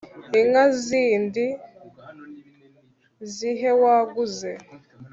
inka zindi zihe waguze’